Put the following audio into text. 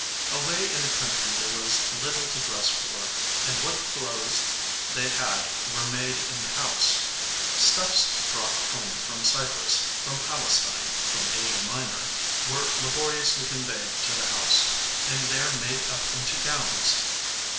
Away in the country there was little to dress for, and what clothes they had were made in the house. Stuffs brought home from Cyprus, from Palestine, from Asia Minor, were laboriously conveyed to the house, and there made up into gowns.